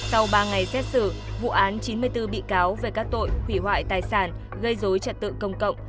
sau ba ngày xét xử vụ án chín mươi bốn bị cáo về các tội hủy hoại tài sản gây dối trật tự công cộng